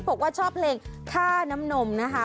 บอกว่าชอบเพลงค่าน้ำนมนะคะ